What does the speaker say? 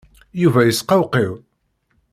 Yuba yesqewqiw.